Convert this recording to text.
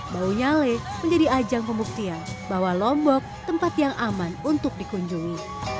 bau nyale menjadi ajang pembuktian bahwa lombok tempat yang aman untuk dikunjungi